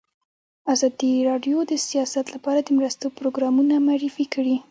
ازادي راډیو د سیاست لپاره د مرستو پروګرامونه معرفي کړي.